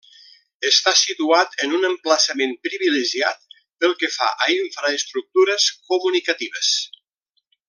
Està situat en un emplaçament privilegiat pel que fa a infraestructures comunicatives.